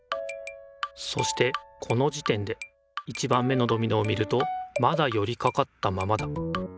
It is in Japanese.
そしてこの時点で１番目のドミノを見るとまだよりかかったままだ。